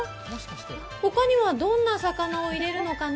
他にはどんな魚を入れるのかな？